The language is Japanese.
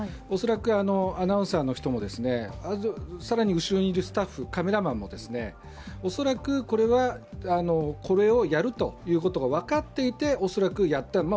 恐らくアナウンサーの人も、更に後ろにいるスタッフ、カメラマンも恐らく、これをやるということが分かっていて、やった。